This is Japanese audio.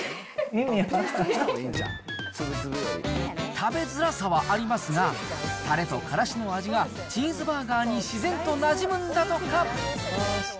食べづらさはありますが、たれとからしの味がチーズバーガーに自然となじむんだとか。